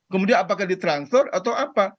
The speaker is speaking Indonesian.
kemudian apakah di transfer atau apa